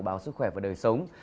báo sức khỏe và đời sống